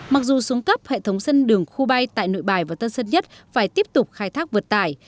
mặc dù xuống cấp hệ thống sân đường khu bay tại nổi bài và tân sơn nhất phải tiếp tục khai thác vượt tải